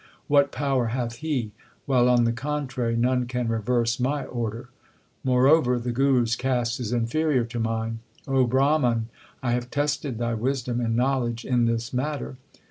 What power hath he ? while on the contrary none can reverse my order. Moreover the Guru s caste is inferior to mine. O Brahman, I have tested thy wisdom and knowledge in this matter.